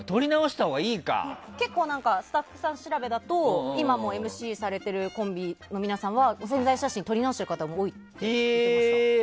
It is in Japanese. スタッフさん調べだと今もＭＣされているコンビの皆さんは宣材写真撮り直している方も多いって言ってました。